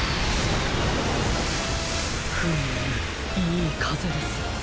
フムいいかぜです。